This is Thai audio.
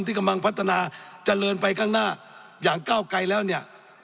ที่กำลังพัฒนาเจริญไปข้างหน้าอย่างก้าวไกลแล้วเนี่ย